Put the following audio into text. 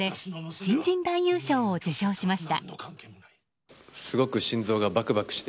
新人男優賞を受賞しました。